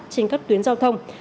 trên các tuyến giao thông